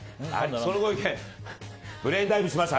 そのご意見ブレインダイブしました。